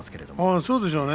そうでしょうね。